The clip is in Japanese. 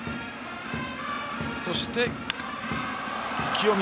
そして清宮。